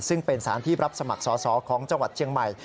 ซึ่งเป็นสารที่รับสมัครสอสอของจังหวัดเชียงใหม่